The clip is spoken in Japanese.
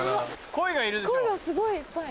鯉がすごいいっぱい。